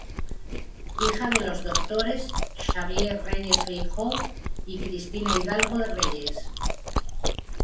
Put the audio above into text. Hija de los doctores Xavier Reyes Feijoo y Cristina Hidalgo de Reyes.